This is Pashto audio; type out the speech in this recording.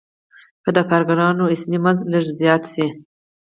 که د کارګرانو اسمي مزد لږ څه زیات شي